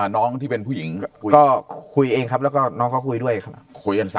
น้องที่เป็นผู้หญิงคุยก็คุยเองครับแล้วก็น้องเขาคุยด้วยครับ